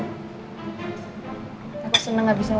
karena kamu sudah mau menjadi istri saya